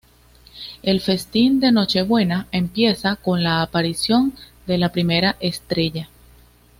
El festín de Nochebuena empieza con la aparición de la primera estrella.